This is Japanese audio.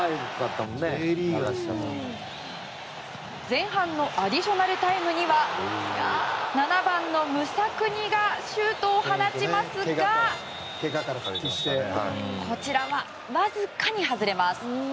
前半のアディショナルタイムには７番のムサクニがシュートを放ちますがこちらはわずかに外れます。